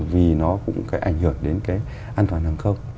vì nó cũng phải ảnh hưởng đến an toàn hàng không